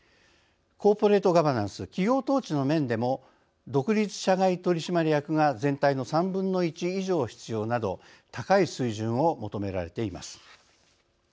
コーポレートガバナンス企業統治の面でも独立社外取締役が全体の３分の１以上必要など高い水準を求められています。